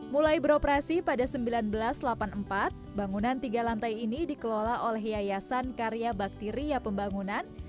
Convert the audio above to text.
mulai beroperasi pada seribu sembilan ratus delapan puluh empat bangunan tiga lantai ini dikelola oleh yayasan karya bakteria pembangunan